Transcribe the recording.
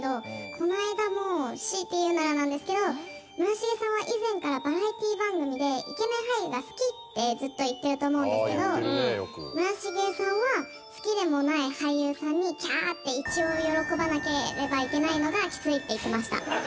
「この間も強いて言うならなんですけど村重さんは以前からバラエティ番組でイケメン俳優が好きってずっと言ってると思うんですけど村重さんは好きでもない俳優さんにキャーって一応喜ばなければいけないのがきついって言ってました」